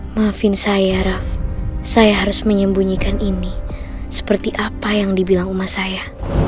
maafin saya raff saya harus menyembunyikan ini seperti apa yang dibilang umat saya